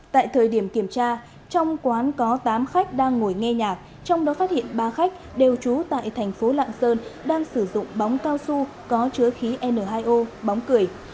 tại thời điểm kiểm tra trong quán có tám khách đang ngồi nghe nhạc trong đó phát hiện ba khách đều trú tại thành phố lạng sơn đang sử dụng bóng cao su có chứa khí n hai o bóng cười